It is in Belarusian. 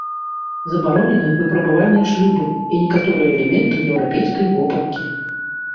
Забаронены выпрабавальныя шлюбы і некаторыя элементы еўрапейскай вопраткі.